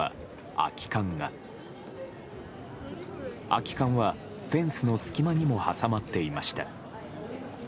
空き缶はフェンスの隙間にも挟まっていました。